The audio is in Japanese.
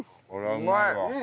うまい！